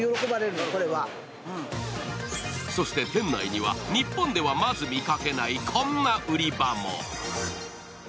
そして店内では日本では、まず見かけないこんな売り場も。